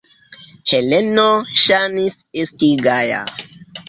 Heleno ŝajnis esti gaja.